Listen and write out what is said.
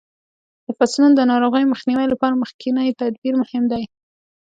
د فصلو د ناروغیو مخنیوي لپاره مخکینی تدبیر مهم دی.